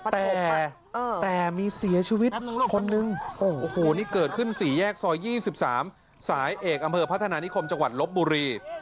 แต่มีเสียชีวิตคนนึงโอ้โหนี่เกิดขึ้น๔แยกซอย๒๓สายเอกอำเภอพัฒนานิคมจังหวัดลบบุรี